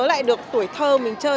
nhớ lại được tuổi thơ mình chơi